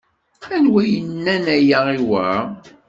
Anwa yenna-n aya i wa?